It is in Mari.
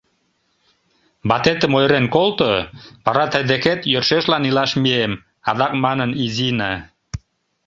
— Ватетым ойырен колто, вара тый декет йӧршешлан илаш мием, — адак манын Изина.